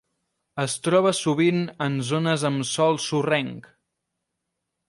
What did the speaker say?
Es troba sovint en zones amb sòl sorrenc.